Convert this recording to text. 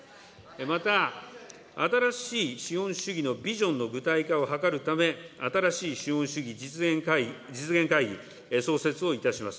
また新しい資本主義のビジョンの具体化を図るため、新しい資本主義実現会議、創設をいたします。